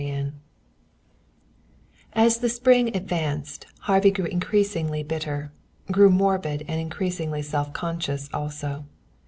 XVIII As the spring advanced Harvey grew increasingly bitter; grew morbid and increasingly self conscious also.